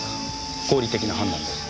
合理的な判断です。